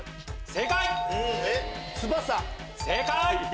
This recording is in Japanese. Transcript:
正解！